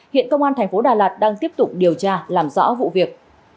hiện công an tp đà lạt đang tiếp tục điều tra làm rõ vụ việc